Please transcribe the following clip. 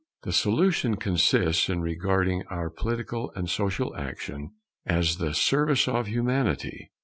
The solution consists in regarding our political and social action as the service of Humanity.